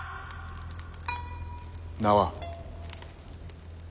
名は？